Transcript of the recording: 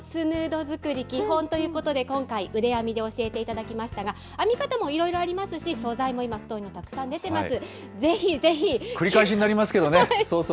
なるほど、お尻が寒くならなまずはこのスヌード作り、基本ということで、今回腕編みで教えていただきましたが、編み方もいろいろありますし、素材も今、太いのたくさん出ています。